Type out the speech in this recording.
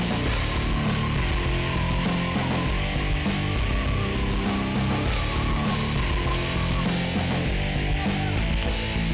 tes ini akan ditentukan oleh freestyle dan fighting